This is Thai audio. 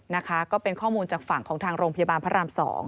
นะคะก็เป็นข้อมูลจากฝั่งของทางโรงพยาบาลพระราม๒